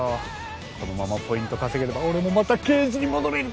このままポイント稼げれば俺もまた刑事に戻れる。